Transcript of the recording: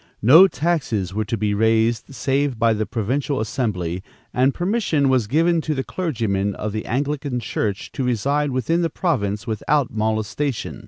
No taxes were to be raised save by the provincial assembly, and permission was given to the clergymen of the Anglican church to reside within the province without molestation.